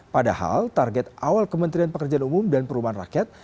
padahal target awal kementerian pekerjaan umum dan perumahan rakyat